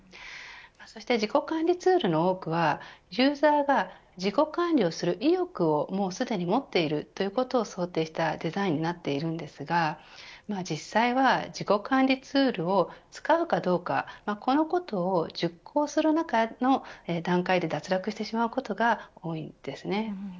そして自己管理ツールの多くはユーザーが自己管理をする意欲をもうすでに持っているということを想定したデザインになっていますが実際は自己管理ツールを使うかどうか、このことを熟考する中の段階で脱落してしまうことが多いです。